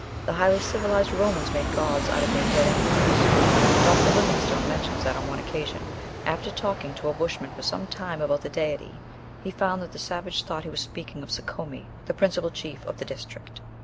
The highly civilized Romans made gods out of their dead emperors. Dr. Livingstone mentions that on one occasion, after talking to a Bushman for some time about the Deity, he found that the savage thought he was speaking of Sekomi, the principal chief of the district.